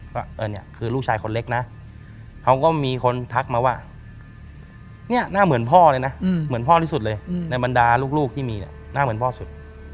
ว่าเออเนี่ยคือลูกชายคนเล็กนะเขาก็มีคนทักมาว่าเนี่ยหน้าเหมือนพ่อเลยนะเหมือนพ่อที่สุดเลยในบรรดาลูกที่มีเนี่ยหน้าเหมือนพ่อสุด